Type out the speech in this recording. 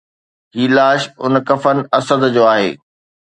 هي لاش اڻ کفن اسد جو آهي